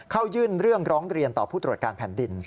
ยื่นเรื่องร้องเรียนต่อผู้ตรวจการแผ่นดิน